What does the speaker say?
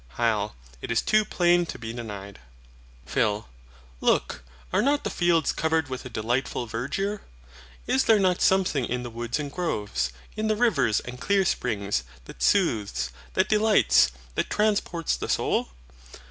HYL. It is too plain to be denied. PHIL. Look! are not the fields covered with a delightful verdure? Is there not something in the woods and groves, in the rivers and clear springs, that soothes, that delights, that transports the soul?